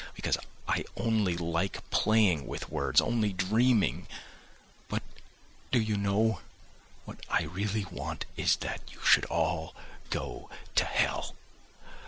Because I only like playing with words, only dreaming, but, do you know, what I really want is that you should all go to hell.